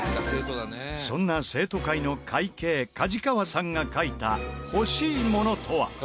そんな生徒会の会計梶川さんが書いた欲しいものとは？